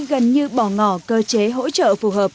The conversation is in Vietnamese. gần như bỏ ngỏ cơ chế hỗ trợ phù hợp